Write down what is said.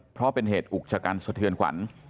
เพราะเป็นเหตุอุกชะกันสะเทือนขวัญ